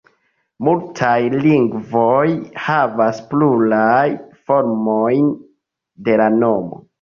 Multaj lingvoj havas plurajn formojn de la nomo.